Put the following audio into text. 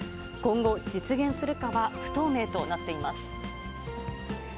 今後、実現するかは不透明となっています。